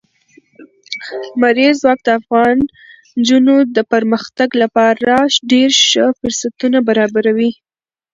لمریز ځواک د افغان نجونو د پرمختګ لپاره ډېر ښه فرصتونه برابروي.